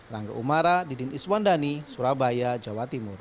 rangga umara didin iswandani surabaya jawa timur